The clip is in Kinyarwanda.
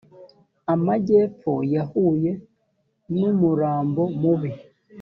amagepfo yahuye numurambo mubi